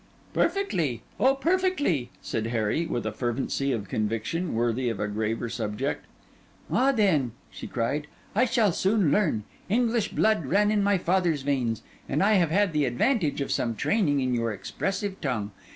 'Perfectly—oh, perfectly!' said Harry, with a fervency of conviction worthy of a graver subject. 'Ah, then,' she said, 'I shall soon learn; English blood ran in my father's veins; and I have had the advantage of some training in your expressive tongue.